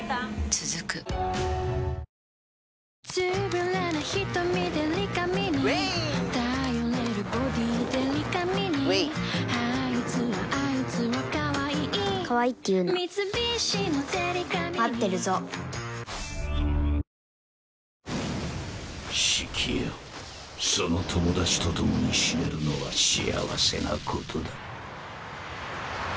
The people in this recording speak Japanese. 続くシキよその友達と共に死ねるのは幸せなことだ。